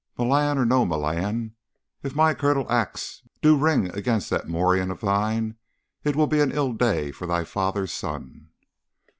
Milan or no Milan, if my curtel axe do but ring against that morion of thine it will be an ill day for thy father's son.